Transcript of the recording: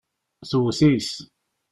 Tewwet-it.